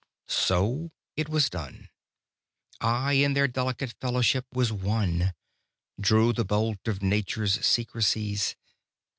So it was done; I in their delicate fellowship was one Drew the bolt of Nature's secrecies.